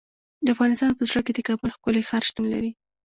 د افغانستان په زړه کې د کابل ښکلی ښار شتون لري.